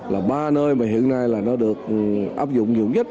là ba nơi mà hiện nay là nó được áp dụng nhiều nhất